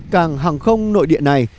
càng hàng không nội địa này